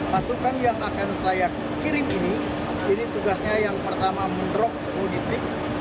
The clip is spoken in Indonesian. patukan yang akan saya kirim ini ini tugasnya yang pertama men drop modifik